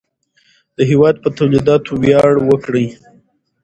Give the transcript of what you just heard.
د هېواد په تولیداتو ویاړ وکړئ.